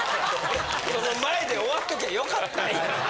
その前で終わっときゃ良かったんや。